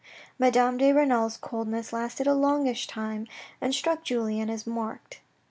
Madame de Renal's coldness lasted a longish time, and struck Julien as marked.